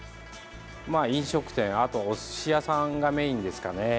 飲食店、あとおすし屋さんがメインですかね。